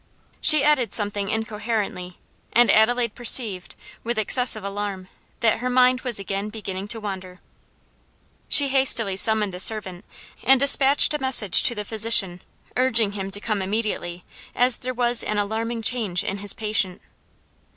She added something incoherently, and Adelaide perceived, with excessive alarm, that her mind was again beginning to wander. She hastily summoned a servant and despatched a message to the physician, urging him to come immediately, as there was an alarming change in his patient.